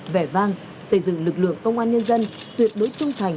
vẻ vang xây dựng lực lượng công an nhân dân tuyệt đối trung thành